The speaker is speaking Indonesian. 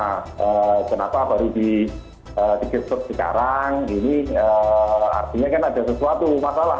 nah kenapa baru di gestur sekarang ini artinya kan ada sesuatu masalah